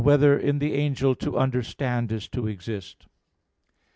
2] Whether in the Angel to Understand Is to Exist?